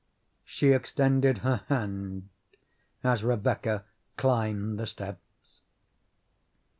She extended her hand as Rebecca climbed the steps.